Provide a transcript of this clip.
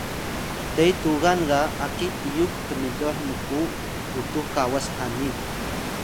te tugan ga aki piyux knloh nku utux kawas hani